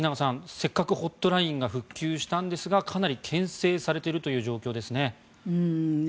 せっかくホットラインが復旧したんですがかなり、けん制されているという状況ですね。